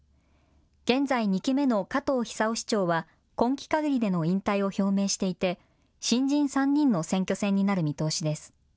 現在２期目の加藤久雄市長は今期かぎりでの引退を表明していて、新人３人の選挙戦になる見通しです。